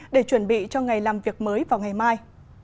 để chuẩn bị cho ngày làm việc mới vào ngày mai